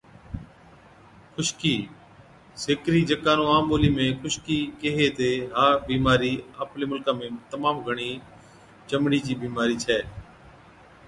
خُشڪِي Dandruff، سيڪرِي جڪا نُون عام ٻولِي ۾ خُشڪِي ڪيهي هِتي، ها بِيمارِي آپلي مُلڪا ۾ تمام گھڻِي چمڙي چِي بِيمارِي ڇَي۔